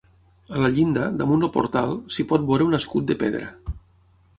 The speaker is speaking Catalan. A la llinda, damunt el portal, s'hi pot veure un escut de pedra.